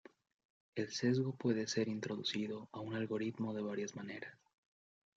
El sesgo puede ser introducido a un algoritmo de varias maneras.